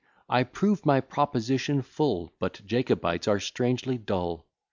I proved my proposition full: But Jacobites are strangely dull.